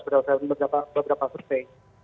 berdasarkan beberapa survei